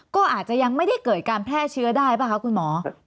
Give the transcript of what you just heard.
ก็อาจจะยังไม่ได้เกิดการแพร่เชื้อได้ป่ะคะคุณหมอ